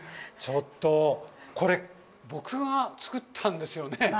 ちょっとこれ僕がつくったんですよね。